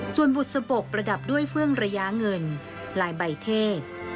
ส่วนบุษบกประดับด้วยเฟื่องระยะเงินลายใบเทศ